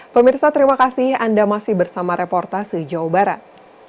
pemirsa terima kasih anda masih bersama reporta sejauh barat